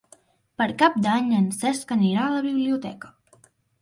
Per Cap d'Any en Cesc anirà a la biblioteca.